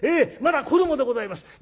まだ子どもでございます。